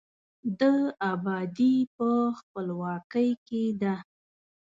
د آبادي په، خپلواکۍ کې ده.